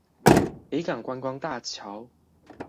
北港觀光大橋